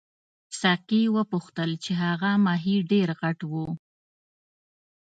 ساقي وپوښتل چې هغه ماهي ډېر غټ وو.